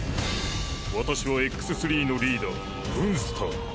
私はＸ−のリーダーブンスター。